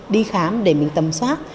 đi khám để mình tầm soát